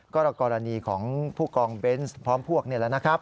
ก็กรณีของผู้กองเบนส์พร้อมพวกนี่แหละนะครับ